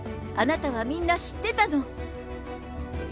あなたはみんな知ってたの！